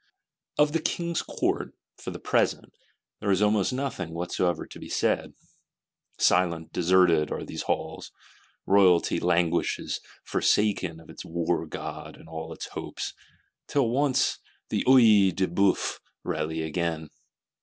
Of the King's Court, for the present, there is almost nothing whatever to be said. Silent, deserted are these halls; Royalty languishes forsaken of its war god and all its hopes, till once the Œil de Bœuf rally again.